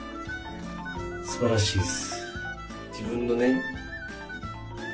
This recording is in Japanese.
素晴らしいです